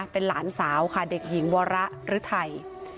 เป็นหลานสาวค่ะเด็กหญิงวรึทัย